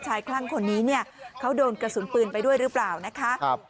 คลั่งคนนี้เนี่ยเขาโดนกระสุนปืนไปด้วยหรือเปล่านะคะ